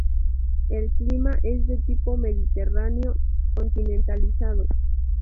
El clima es de tipo mediterráneo continentalizado.